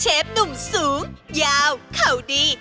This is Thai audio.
หนุ่มสูงยาวเขาดี